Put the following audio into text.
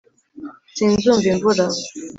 sinzumva imvura;